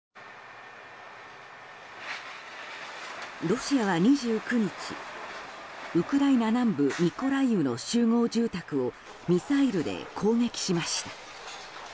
ロシアは２９日ウクライナ南部ミコライウの集合住宅をミサイルで攻撃しました。